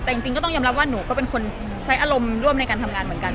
แต่จริงก็ต้องยอมรับว่าหนูก็เป็นคนใช้อารมณ์ร่วมในการทำงานเหมือนกัน